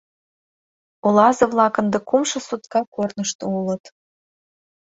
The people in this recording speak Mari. Улазе-влак ынде кумшо сутка корнышто улыт.